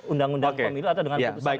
undang undang pemilu atau dengan putusan